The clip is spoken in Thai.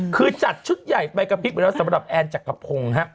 คือจัดชุดใหญ่ไปกระพริบไปแล้วสำหรับแอนจักรพงศ์ฮะ